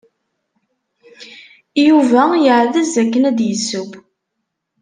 Yuba yeɛdez akken ad d-yesseww.